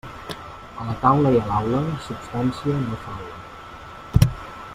A la taula i a l'aula, substància, no faula.